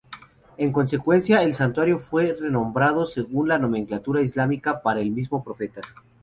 En consecuencia, el santuario fue renombrado según la nomenclatura islámica para el mismo profeta.